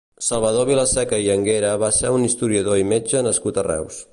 Salvador Vilaseca i Anguera va ser un historiador i metge nascut a Reus.